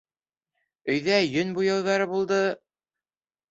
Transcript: Өйҙә йөн буяуҙары булды.